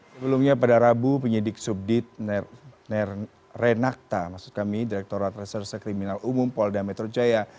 sebelumnya pada rabu penyidik subdit renakta maksud kami direkturat reserse kriminal umum polda metro jaya